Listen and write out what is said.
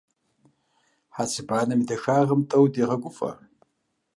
Хьэцыбанэм и дахагъэм тӀэу дегъэгуфӀэ.